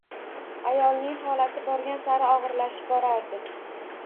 Ayolning holati borgan sari og`irlashib borardi